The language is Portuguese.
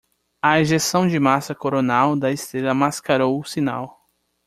A ejeção de massa coronal da estrela mascarou o sinal.